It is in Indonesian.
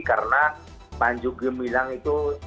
karena panji gumilang itu